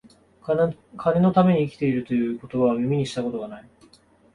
金のために生きている、という言葉は、耳にした事が無い